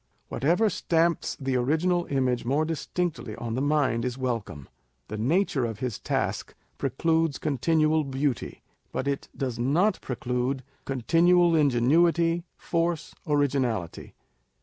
Whatever stamps the original image more distinctly on the mind, is welcome. The nature of his task precludes continual beauty ; but it does not pre clude continual ingenuity, force, originality.